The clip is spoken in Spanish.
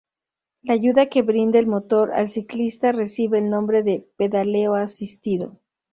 La ayuda que brinda el motor al ciclista recibe el nombre de pedaleo asistido.